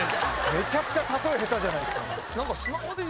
めちゃくちゃ例え下手じゃないですか。